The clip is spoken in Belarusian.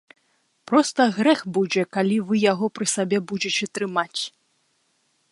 Проста грэх будзе, калі вы яго пры сабе будзеце трымаць.